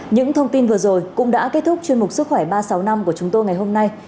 những thông tin vừa rồi cũng đã kết thúc chuyên mục sức khỏe ba trăm sáu mươi năm của chúng tôi ngày hôm nay